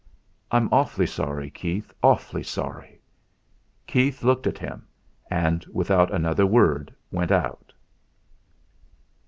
I'm awfully sorry, Keith; awfully sorry." Keith looked at him, and without another word went out.